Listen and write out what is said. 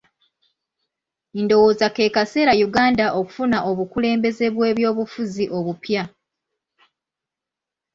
Ndowooza ke kaseera Uganda okufuna obukulembeze bw'ebyobufuzi obupya.